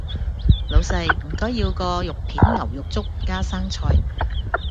老世唔该要个肉片牛肉粥，加生菜